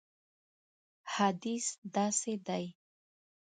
حدیث داسې دی.